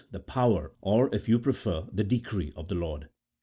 the power, or, if you prefer, the decree of the Lord.